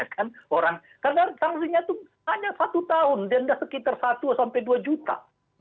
karena sanksinya itu hanya satu tahun denda sekitar satu dua juta